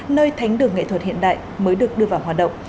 nơi thánh đường nghệ thuật hiện đại mới được đưa vào hoạt động